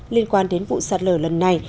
liên quan đến vụ sạt lở lần này